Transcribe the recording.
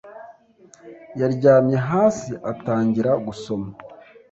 Yaryamye hasi atangira gusoma.